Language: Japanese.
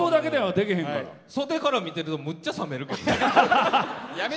袖から見てるとむっちゃ冷めるけどな。